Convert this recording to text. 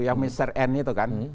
yang mr end itu kan